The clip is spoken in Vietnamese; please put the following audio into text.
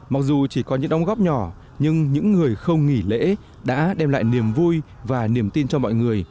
mặc dù chỉ có những đóng góp nhỏ nhưng những người không nghỉ lễ đã đem lại niềm vui và niềm tin cho mọi người